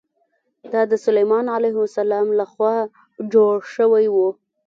دا د سلیمان علیه السلام له خوا جوړ شوی و.